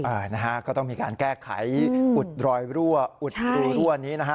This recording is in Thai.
นะฮะก็ต้องมีการแก้ไขอุดรอยรั่วอุดรูรั่วนี้นะฮะ